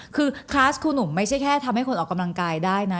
คือคลาสครูหนุ่มไม่ใช่แค่ทำให้คนออกกำลังกายได้นะ